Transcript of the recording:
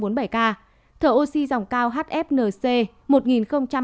thở oxy dòng cao hfnc một hai mươi ca